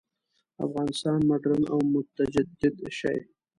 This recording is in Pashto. افغانستان مډرن او متجدد شي.